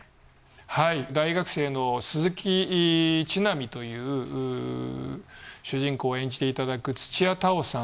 はい大学生の鈴木千波という主人公を演じていただく土屋太鳳さん。